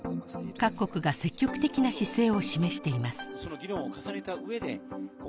各国が積極的な姿勢を示しています